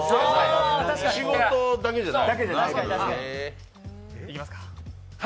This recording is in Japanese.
仕事だけじゃない。